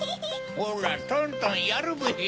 ほらトントンやるブヒ。